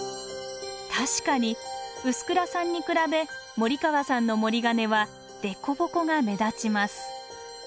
確かに臼倉さんに比べ森川さんの盛金は凸凹が目立ちます。